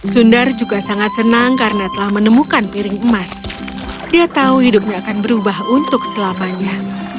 sundar juga sangat senang karena telah menemukan piring emas dia tahu hidupnya akan berubah untuk selamanya